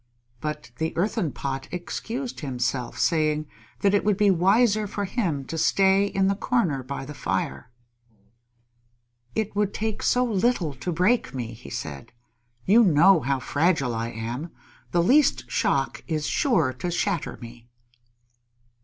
But the Earthen Pot excused himself, saying that it would be wiser for him to stay in the corner by the fire. "It would take so little to break me," he said. "You know how fragile I am. The least shock is sure to shatter me!"